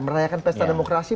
merayakan pesta demokrasi